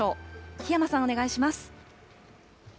檜山さん、お願いします。